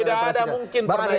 tidak ada mungkin pernah itu terjadi